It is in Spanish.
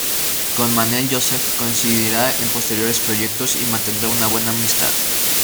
Con Manel Joseph coincidirá en posteriores proyectos y mantendrá una buena amistad.